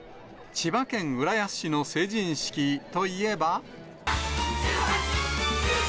千葉県浦安市の成人式といえば。